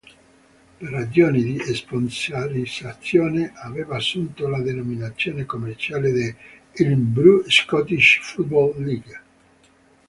Per ragioni di sponsorizzazione aveva assunto la denominazione commerciale di "Irn-Bru Scottish Football League".